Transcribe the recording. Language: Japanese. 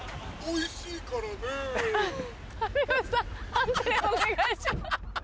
判定お願いします。